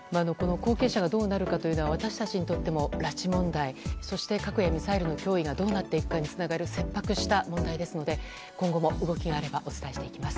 後継者がどうなるかは私たちにとっても拉致問題、そして核やミサイルの脅威がどうなっていくかにつながる切迫した問題ですので今後も動きがあればお伝えしていきます。